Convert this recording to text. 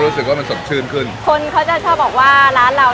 รู้สึกว่ามันสดชื่นขึ้นคนเขาจะชอบบอกว่าร้านเรา